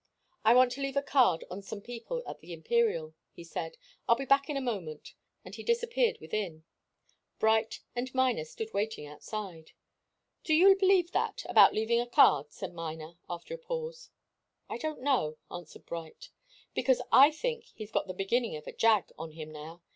"I want to leave a card on some people at the Imperial," he said. "I'll be back in a moment." And he disappeared within. Bright and Miner stood waiting outside. "Do you believe that about leaving a card?" asked Miner, after a pause. "I don't know," answered Bright. "Because I think he's got the beginning of a 'jag' on him now.